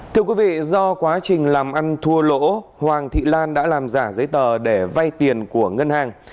thưa quý vị do quá trình làm ăn thua lỗ hoàng thị lan đã làm giả giấy tờ để vay tiền của ngân hàng